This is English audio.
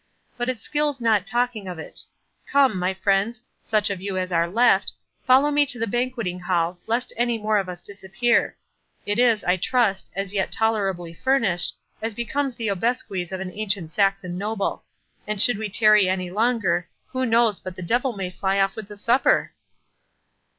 —But it skills not talking of it. Come, my friends—such of you as are left, follow me to the banquet hall, lest any more of us disappear—it is, I trust, as yet tolerably furnished, as becomes the obsequies of an ancient Saxon noble; and should we tarry any longer, who knows but the devil may fly off with the supper?"